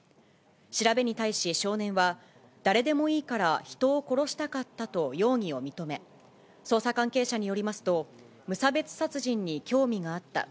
調べに対し少年は、誰でもいいから人を殺したかったと容疑を認め、捜査関係者によりますと、無差別殺人に興味があった。